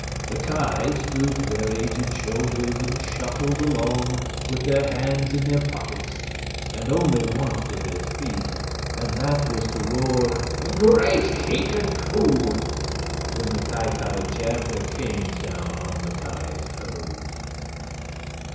The Ki stooped their aged shoulders and shuffled along with their hands in their pockets, and only once did they speak, and that was to roar "Great Kika koo!" when the Ki Ki jabbed their canes down on the Ki's toes.